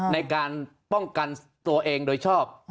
ในการป้องกันตัวเองโดยชอบ